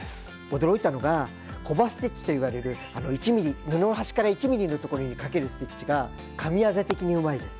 驚いたのがコバステッチと言われる布の端から１ミリのところにかけるステッチが神業的にうまいです。